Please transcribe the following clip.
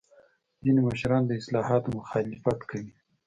ځینې مشران د اصلاحاتو مخالفت کوي.